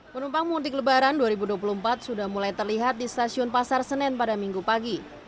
penumpang mudik lebaran dua ribu dua puluh empat sudah mulai terlihat di stasiun pasar senen pada minggu pagi